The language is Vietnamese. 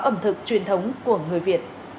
ẩm thực truyền thống của người việt